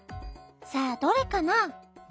さあどれかな？